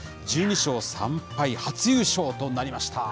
１２勝３敗、初優勝となりました。